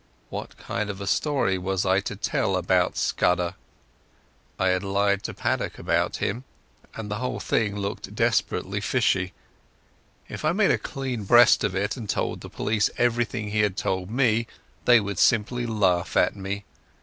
What kind of a story was I to tell about Scudder? I had lied to Paddock about him, and the whole thing looked desperately fishy. If I made a clean breast of it and told the police everything he had told me, they would simply laugh at me.